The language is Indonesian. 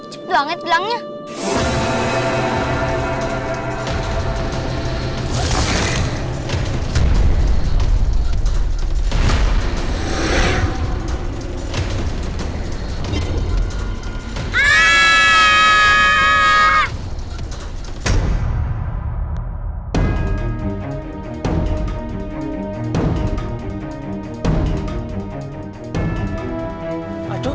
cepet banget gelangnya